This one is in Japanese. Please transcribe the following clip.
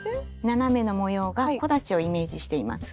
斜めの模様が木立をイメージしています。